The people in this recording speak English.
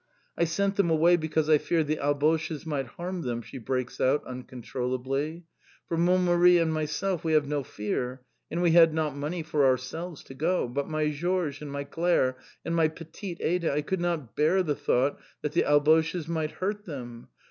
"I sent them away because I feared the Alboches might harm them," she breaks out, uncontrollably. "For mon Mari and myself, we have no fear! And we had not money for ourselves to go. But my Georges, and my Clare, and my petite Ada I could not bear the thought that the Alboches might hurt them.